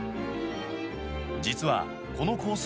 実はこのコース